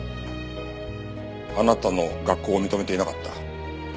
あなたの学校を認めていなかった。